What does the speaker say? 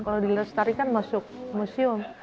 kalau dilestarikan masuk museum